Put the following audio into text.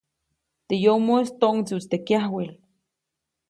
Teʼ yomoʼis toʼŋdsiʼutsi teʼ kyawel.